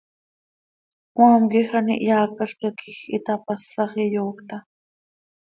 Cmaam quij an iheaacalca quij itapasax, iyoocta.